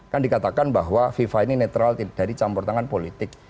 kan dikatakan bahwa fifa ini netral dari campur tangan politik